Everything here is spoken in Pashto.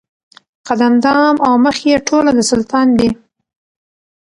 قد اندام او مخ یې ټوله د سلطان دي